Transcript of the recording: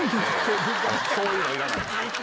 そういうのいらないです。